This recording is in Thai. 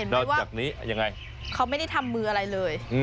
เห็นไหมว่าเขาไม่ได้ทำมืออะไรเลยเขาไม่ได้ชูแบบรูปอะไรเลย